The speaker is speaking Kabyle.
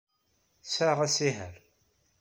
Sɛiɣ asihaṛ.